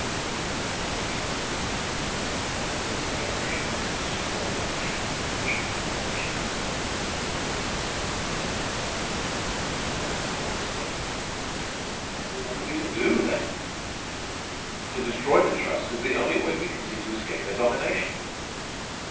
Still no one objected. "Then is it not irrational to destroy that cheap and efficient combination?" No one answered for a long time. Then Mr. Kowalt spoke. "What are we to do, then?" he demanded. "To destroy the trusts is the only way we can see to escape their domination."